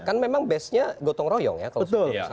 kan memang bestnya gotong royong ya kalau saya salah